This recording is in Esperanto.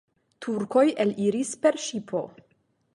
Turkoj eliris per ŝipo.